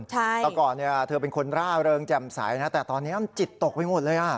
ใช่ตอนก่อนเนี้ยเธอเป็นคนร่าเริงแจ่มสายนะแต่ตอนเนี้ยมันจิตตกไว้หมดเลยอ่ะ